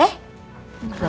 udah keluar dulu ya